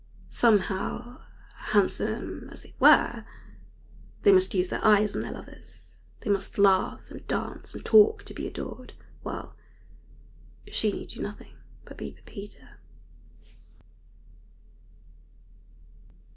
Somehow, handsome as they were, they must use their eyes on their lovers, they must laugh and dance and talk to be adored, while she need do nothing but be Pepita.